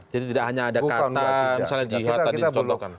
jadi tidak hanya ada kata misalnya jihad tadi dicontohkan